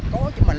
đó là có chứ mình